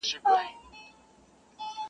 o یار نوشلی یې په نوم دمیو جام دی,